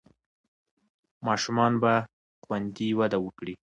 ماشومان به خوندي وده وکړي.